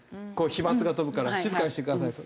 飛まつが飛ぶから静かにしてくださいと。